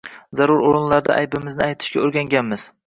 Zarur o‘rinlarda aybimizni aytishga o‘rganganmiz.